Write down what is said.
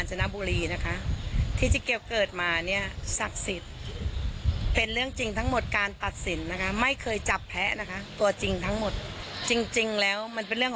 จะเป็นใครก็แล้วแต่